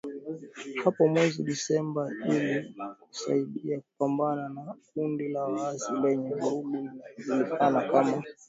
hapo mwezi Disemba ili kusaidia kupambana na kundi la waasi lenye vurugu linalojulikana kama